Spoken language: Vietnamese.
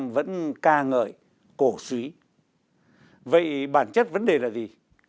vậy bản chất vấn đề là gì